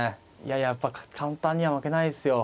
いややっぱ簡単には負けないですよ。